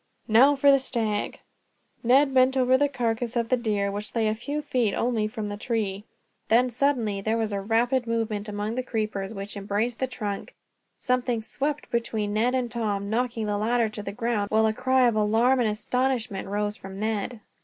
"Now for the stag." Ned bent over the carcass of the deer, which lay a few feet only from the tree. Then suddenly there was a rapid movement among the creepers which embraced the trunk, something swept between Ned and Tom, knocking the latter to the ground, while a cry of alarm and astonishment rose from Ned.